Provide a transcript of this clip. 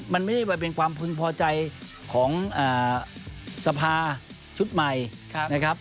มันไม่ได้เป็นความพึงพอใจของสภาชุดใหม่นะครับ